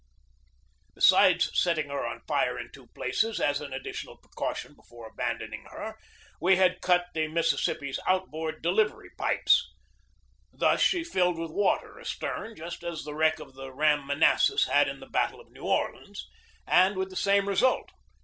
Besides setting her on fire in two places, as an additional precaution before abandoning her, we had cut the Mississippi's outboard delivery pipes. Thus THE BATTLE OF PORT HUDSON 103 she filled with water astern, just as the wreck of the ram Manassas had in the battle of New Orleans, and with the same result.